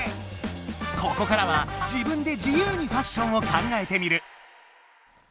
ここからは自分で自由にファッションを考えてみる。